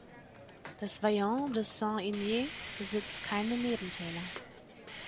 Das Vallon de Saint-Imier besitzt keine Nebentäler.